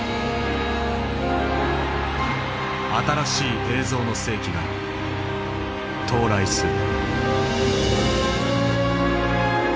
新しい映像の世紀が到来する。